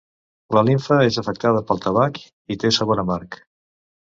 La limfa és afectada pel tabac, i té sabor amarg.